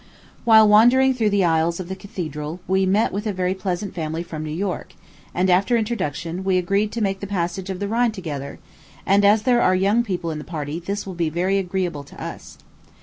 While wandering through the aisles of the Cathedral, we met with a very pleasant family from New York; and, after introduction, we agreed to make the passage of the Rhine together; and, as there are young people in the party, this will be very agreeable to us.